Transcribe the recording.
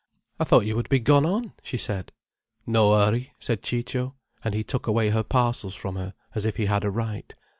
"I thought you would be gone on," she said. "No hurry," said Ciccio, and he took away her parcels from her, as if he had a right.